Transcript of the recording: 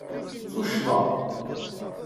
Tuccḍa!